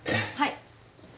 はい。